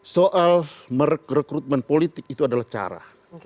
soal merekrutmen politik itu adalah cara